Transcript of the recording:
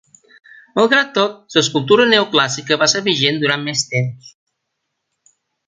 Malgrat tot, l'escultura neoclàssica va ser vigent durant més temps.